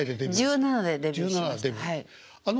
１７でデビューしました。